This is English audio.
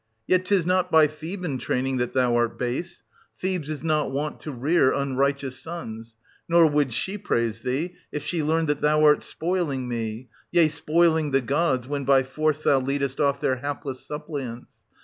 Yet 'tis not by Theban training that thou art base ; Thebes is not wont to rear unrighteous sons ; nor would 920 she praise thee, if she learned that thou art spoiling me, — yea, spoiling the gods, when by force thou leadest off their hapless suppliants.